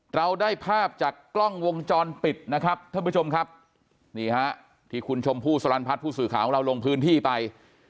เราได้ภาพจากกล้องวงจรปิดนะครับท่านผู้ชมครับนี่ฮะที่คุณชมพู่สลันพัฒน์ผู้สื่อข่าวของเราลงพื้นที่ไป